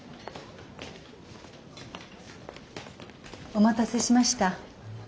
お待たせしました。